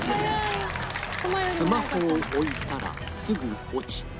スマホを置いたらすぐ落ちた